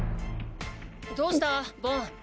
どうしたボン。